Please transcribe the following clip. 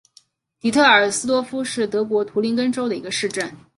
迪特尔斯多夫是德国图林根州的一个市镇。